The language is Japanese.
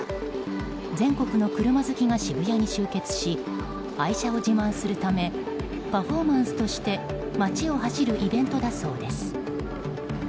全国の車好きが渋谷に集結し愛車を自慢するためパフォーマンスとして街を走るイベントだそうです。